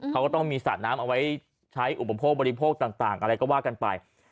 เขาก็ต้องมีสระน้ำเอาไว้ใช้อุปโภคบริโภคต่างอะไรก็ว่ากันไป